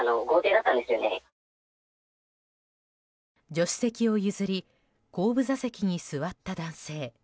助手席を譲り後部座席に座った男性。